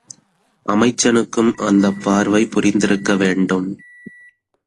அமைச்சனுக்கும் அந்தப் பார்வை புரிந்திருக்க வேண்டும்.